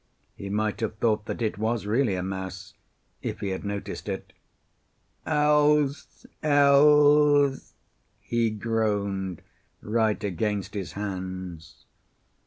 He might have thought that it was really a mouse if he had noticed it. "Else! Else!" he groaned right against his hands.